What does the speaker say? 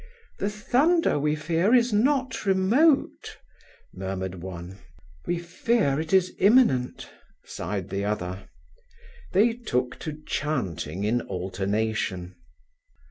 "The thunder, we fear, is not remote," murmured one. "We fear it is imminent," sighed the other. They took to chanting in alternation.